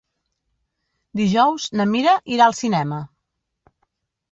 Dijous na Mira irà al cinema.